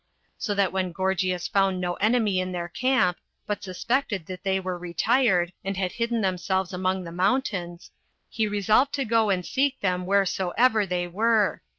So that when Gorgias found no enemy in their camp, but suspected that they were retired, and had hidden themselves among the mountains, he resolved to go and seek them wheresoever they were.